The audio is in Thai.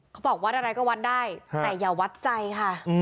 เขาบอกวัดอะไรก็วัดได้แต่อย่าวัดใจค่ะ